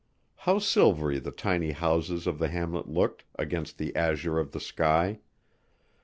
How silvery the tiny houses of the hamlet looked against the azure of the sky!